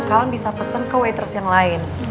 kalian bisa pesen ke waiters yang lain